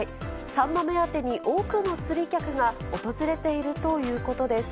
サンマ目当てに多くの釣り客が訪れているということです。